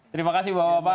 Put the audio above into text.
terima kasih bapak bapak